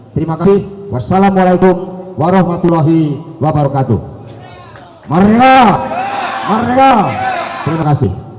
terima kasih wassalamualaikum warahmatullahi wabarakatuh